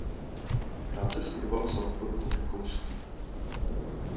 Krátce studoval v Salzburgu v Rakousku.